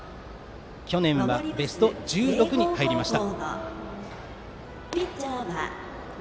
去年は、ベスト１６に入りました。